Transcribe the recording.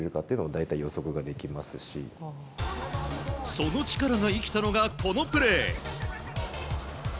その力が生きたのがこのプレー。